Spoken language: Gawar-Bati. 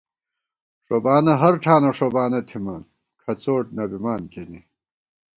ݭوبانہ ہر ٹھانہ ݭوبانہ تھِمان کھَڅوٹ نہ بِمان کېنے